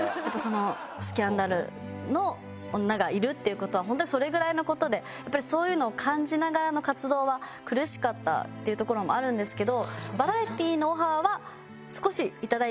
スキャンダルの女がいるっていう事は本当にそれぐらいの事でやっぱりそういうのを感じながらの活動は苦しかったっていうところもあるんですけど。